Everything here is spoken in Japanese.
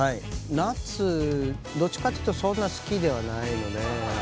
夏どっちかというとそんな好きではないので。